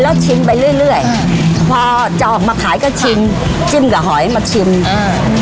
แล้วชิมไปเรื่อยเรื่อยอ่าพอจะออกมาขายก็ชิมจิ้มกับหอยมาชิมอ่า